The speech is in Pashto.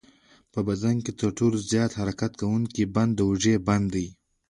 په بدن کې تر ټولو زیات حرکت کوونکی بند د اوږې بند دی.